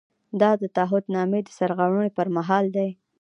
دا د تعهد نامې د سرغړونې پر مهال دی.